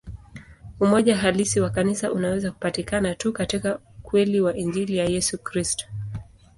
Umoja halisi wa Kanisa unaweza kupatikana tu katika ukweli wa Injili ya Yesu Kristo.